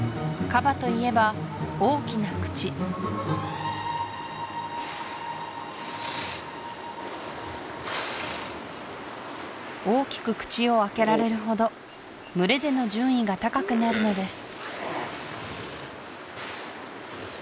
カバといえば大きな口大きく口を開けられるほど群れでの順位が高くなるのです